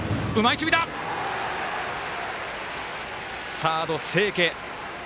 サード、清家。